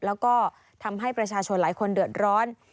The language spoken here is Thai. แล้วก็ทำให้ประชาชนหลายคนเดือดร้อน